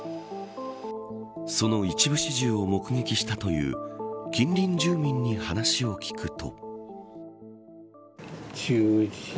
その一部始終を目撃したという近隣住民に話を聞くと。